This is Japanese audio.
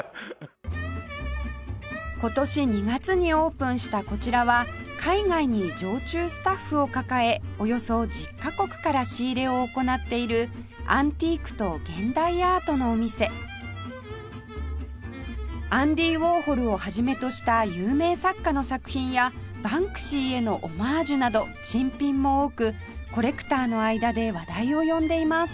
今年２月にオープンしたこちらは海外に常駐スタッフを抱えおよそ１０カ国から仕入れを行っているアンティークと現代アートのお店アンディ・ウォーホルを始めとした有名作家の作品やバンクシーへのオマージュなど珍品も多くコレクターの間で話題を呼んでいます